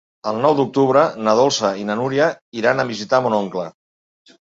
El nou d'octubre na Dolça i na Núria iran a visitar mon oncle.